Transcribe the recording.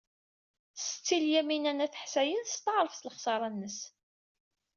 Setti Lyamina n At Ḥsayen testeɛṛef s lexṣara-nnes.